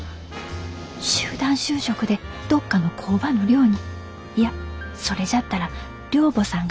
集団就職でどっかの工場の寮にいやそれじゃったら寮母さんが洗うはずじゃあ。